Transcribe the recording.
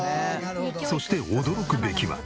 そして驚くべきは。